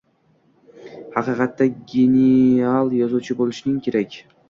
xaqiqatda genial yozuvchi bo‘lishing kerak.